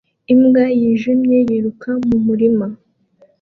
Imbwa yijimye yiruka mu murima